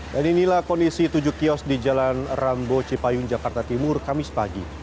dan inilah kondisi tujuh kios di jalan rambo cipayun jakarta timur kamis pagi